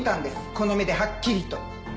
この目ではっきりと。